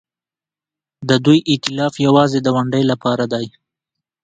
د دوی ائتلاف یوازې د ونډې لپاره دی.